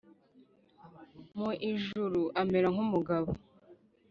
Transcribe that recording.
mu ijuru amera nk’umugabo